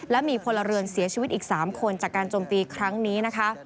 และมีพลเรือนเสียชีวิตอีก๓คนจากการจมตีครั้งนี้นะคะ